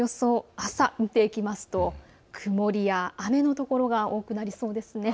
朝、見ていきますと曇りや雨の所が多くなりそうですね。